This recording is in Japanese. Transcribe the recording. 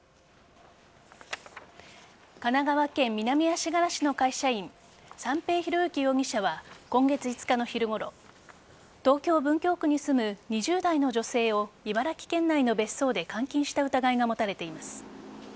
神奈川県南足柄市の会社員三瓶博幸容疑者は今月５日の昼ごろ東京・文京区に住む２０代の女性を茨城県内の別荘で監禁した疑いが持たれています。